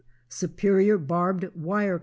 Superior Barbed Wire Co.